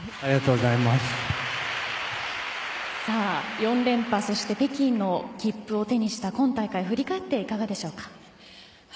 ４連覇そして北京の切符を手にした今大会、振り返っていかがでしょうか。